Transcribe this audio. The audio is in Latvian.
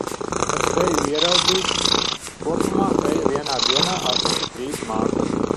Kad feju ieraudzīs. Kopumā feja vienā dienā atnesa trīs mantas.